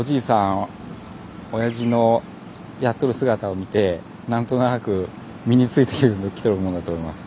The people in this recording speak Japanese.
親父のやってる姿を見て何となく身についてきてるものだと思います。